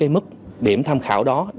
mức điểm tham khảo đó